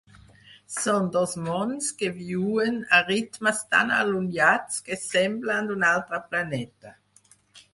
Són dos mons que viuen a ritmes tan allunyats que semblen d'un altre planeta.